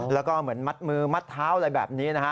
แล้วก็เหมือนมัดมือมัดเท้าอะไรแบบนี้นะฮะ